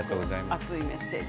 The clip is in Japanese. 熱いメッセージ。